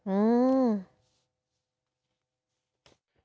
อื้อ